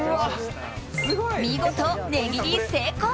見事、値切り成功！